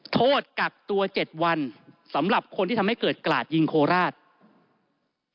โทษกักตัว๗วันสำหรับคนที่ทำให้เกิดกราดยิงโคราช